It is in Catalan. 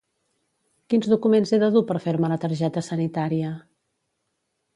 Quins documents he de dur per fer-me la targeta sanitària?